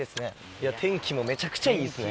いや、天気もめちゃくちゃいいっすね。